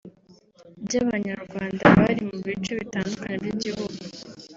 by’Abanyarwanda bari mu bice bitandukanye by’igihugu